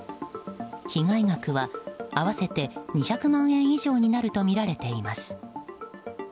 被害額は合わせて２００万円以上になるとみられています。